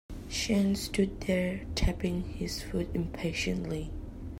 Sean stood there tapping his foot impatiently.